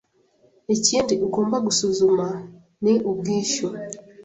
Ikindi ugomba gusuzuma ni ubwishyu.